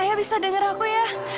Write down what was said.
ayah bisa dengar aku ya